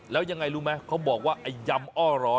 แล้วยังไงรู้ไหมเขาบอกว่ายำอ้อร้อนี้นะครับ